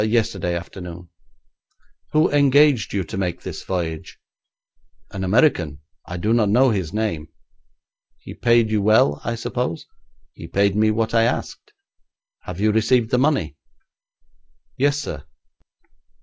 'Yesterday afternoon.' 'Who engaged you to make this voyage?' 'An American; I do not know his name.' 'He paid you well, I suppose?' 'He paid me what I asked.' 'Have you received the money?' 'Yes, sir.'